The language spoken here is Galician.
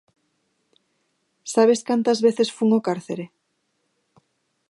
_¿Sabes cantas veces fun ó cárcere?